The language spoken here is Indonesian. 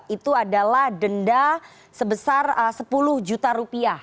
itu adalah denda sebesar sepuluh juta rupiah